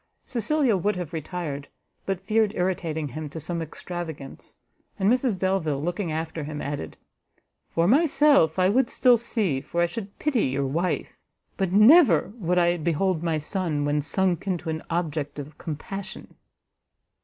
Cecilia would have retired, but feared irritating him to some extravagance; and Mrs Delvile, looking after him, added "For myself, I would still see, for I should pity your wife, but NEVER would I behold my son when sunk into an object of compassion!"